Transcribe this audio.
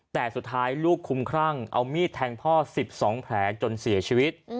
แต่สุดท้ายลูกคุ้มครั่งเอามีดแทงพ่อ๑๒แผลจนเสียชีวิต